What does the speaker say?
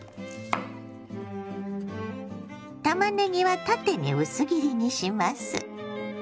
たまねぎは縦に薄切りにします。